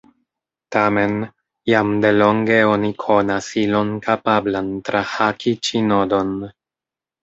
Tamen, jam delonge oni konas ilon kapablan trahaki ĉi nodon.